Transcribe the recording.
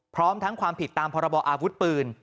พร้อมทั้งความผิดตามพรบอาวุธปืน